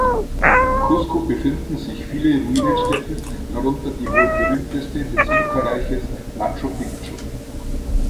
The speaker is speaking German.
In Cusco befinden sich viele Ruinenstätten, darunter die wohl berühmteste des Inkareiches, Machu Picchu.